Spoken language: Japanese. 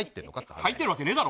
入ってるわけねえだろ。